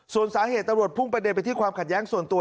ส่วนสาเหตุตำรวจพุ่งประเด็นไปที่ความขัดแย้งส่วนตัว